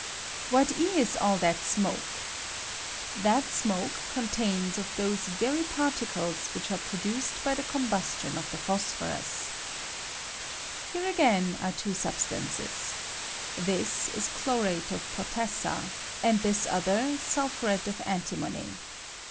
What is all that smoke ? That smoke consists of those very particles which are produced by the combustion of the phosphorus. Here again arc two substances. This is chlorate of potassa, and this other sulphuret of antimony.